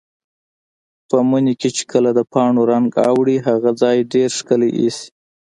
په مني کې چې کله د پاڼو رنګ اوړي، هغه ځای ډېر ښکلی ایسي.